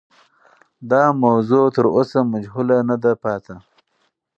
دا موضوع تر اوسه مجهوله نه ده پاتې.